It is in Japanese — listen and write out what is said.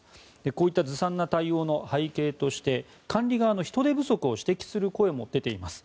こういったずさんな対応の背景として管理側の人手不足を指摘する声も出ています。